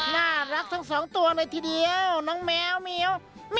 น่ารักทั้ง๒ตัวเลยทีเดียว